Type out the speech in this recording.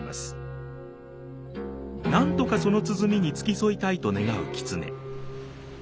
なんとかその鼓に付き添いたいと願う狐。